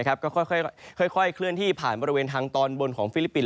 ก็ค่อยเคลื่อนที่ผ่านบริเวณทางตอนบนของฟิลิปปินส